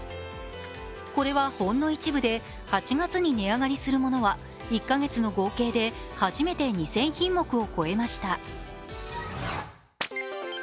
これはほんの一部で８月に値上がりするものは１カ月の合計で初めて２０００品目を超えました。